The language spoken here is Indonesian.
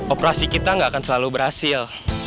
operasi kita nggak akan selalu berhasil